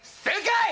正解！